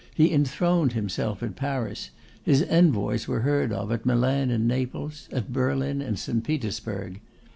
He enthroned himself at Paris; his envoys were heard of at Milan and Naples, at Berlin and St. Petersburg.